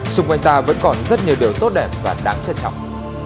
xung quanh ta vẫn còn rất nhiều điều tốt đẹp và đáng trân trọng